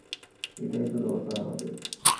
এটাই তো দরকার আমাদের।